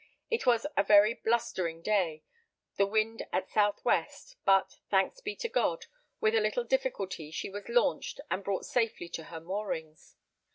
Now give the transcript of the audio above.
It was a very blustering day, the wind at south west, but, thanks be to God, with a little difficulty she was launched and brought safely to her moorings.